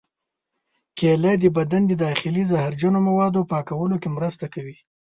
کېله د بدن د داخلي زهرجنو موادو پاکولو کې مرسته کوي.